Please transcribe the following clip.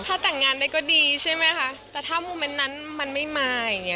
ถ้าแต่งงานได้ก็ดีใช่ไหมคะแต่ถ้าโมเมนต์นั้นมันไม่มาอย่างเงี้